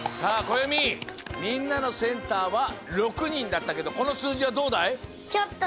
こよみみんなのセンターは６にんだったけどこのすうじはどうだい？